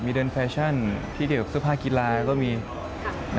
มีเดินแฟชั่นหรือเที่ยวกับเสื้อผ้ากีฬาก็มีนะครับ